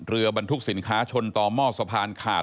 เรือบรรทุกศิลป์คาชนตอบหม้อสะพานขาด